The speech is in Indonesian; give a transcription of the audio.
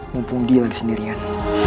mumpung dia lagi sendirian